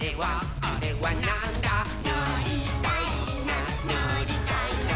「のりたいなのりたいな」